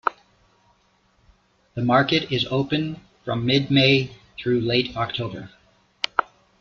The market is open from mid-May through late October.